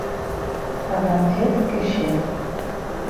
«ҒӘМҺЕҘ КЕШЕ»